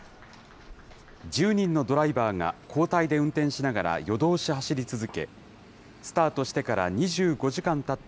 １０人のドライバーが交代で運転しながら夜通し走り続け、スタートしてから２５時間たった